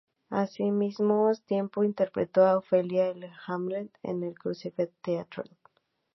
Al mismo tiempo, interpretó a Ofelia en "Hamlet" en el Crucible Theatre.